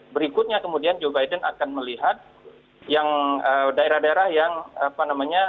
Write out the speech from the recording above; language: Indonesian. berikutnya kemudian joe biden akan melihat yang daerah daerah yang apa namanya